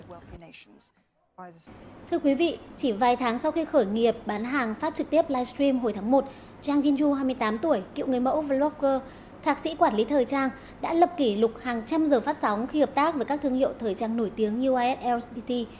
thưa quý vị chỉ vài tháng sau khi khởi nghiệp bán hàng phát trực tiếp livestream hồi tháng một chang jin yu hai mươi tám tuổi cựu người mẫu vlogger thạc sĩ quản lý thời trang đã lập kỷ lục hàng trăm giờ phát sóng khi hợp tác với các thương hiệu thời trang nổi tiếng như uslbt